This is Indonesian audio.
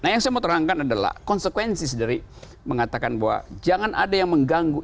yang semua terangkan adalah konsekuensi sedari mengatakan bahwa jangan ada yang mengganggu